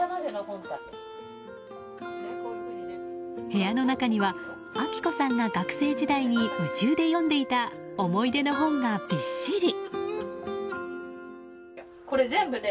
部屋の中には明子さんが学生時代に夢中で読んでいた思い出の本がびっしり。